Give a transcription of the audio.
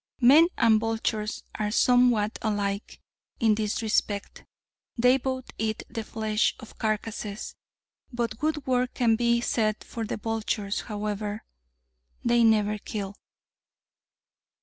Men and vultures are somewhat alike in this respect; they both eat the flesh of carcasses. But a good word can be said for the vultures, however; they never kill.